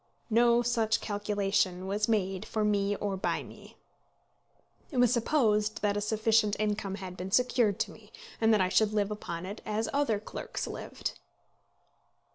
No such calculation was made for me or by me. It was supposed that a sufficient income had been secured to me, and that I should live upon it as other clerks lived.